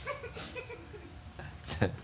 ハハハ